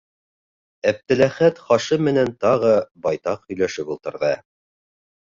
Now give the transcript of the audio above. Әптеләхәт Хашим менән тағы байтаҡ һөйләшеп ултырҙы.